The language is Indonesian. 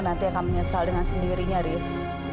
nanti akan menyesal dengan sendirinya riz